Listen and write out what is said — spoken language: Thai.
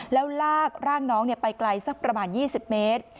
แล้วลากร่างน้องไปไกลสักประมาณ๒๐เมตร